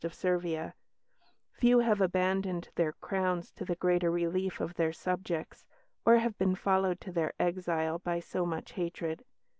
of Servia; few have abandoned their crowns to the greater relief of their subjects, or have been followed to their exile by so much hatred.